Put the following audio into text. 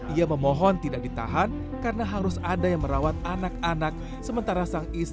ia memohon tidak ditahan karena harus ada yang merawat anak anak sementara sang istri dirawat di rumah sakit